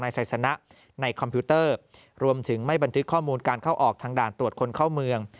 ไซสนะในคอมพิวเตอร์รวมถึงไม่บันทึกข้อมูลการเข้าออกทางด่านตรวจคนเข้าเมือง